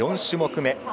４種目め。